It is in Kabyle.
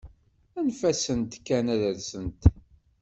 Anef-sent kan ad rsent.